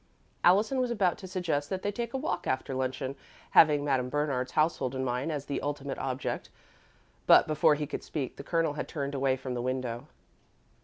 Allison was about to suggest that they take a walk after luncheon, having Madame Bernard's household in mind as the ultimate object, but, before he could speak, the Colonel had turned away from the window.